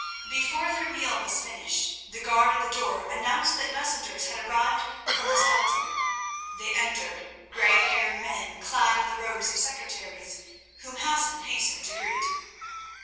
Before their meal was finished, the guard at the door announced that messengers had arrived from the Sultan. They entered, grey haired men clad in the robes of secretaries, whom Hassan hastened to greet.